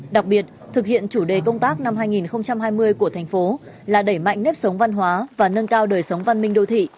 đặc biệt thực hiện chủ đề công tác năm hai nghìn hai mươi của thành phố là đẩy mạnh nếp sống văn hóa và nâng cao đời sống văn minh đô thị